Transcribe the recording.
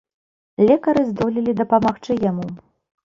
Лекары здолелі дапамагчы яму.